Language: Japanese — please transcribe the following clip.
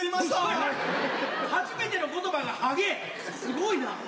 すごいな。